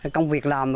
công việc làm